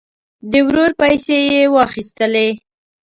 د ورور پیسې یې واخیستلې.